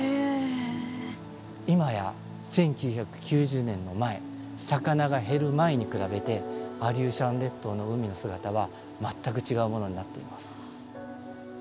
今や１９９０年の前魚が減る前に比べてアリューシャン列島の海の姿は全く違うものになっています。